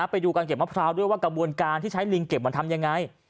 ไปดูการเก็บมะพร้าวด้วยว่ากระบวนการที่ใช้ลิงเก็บมันทำยังไง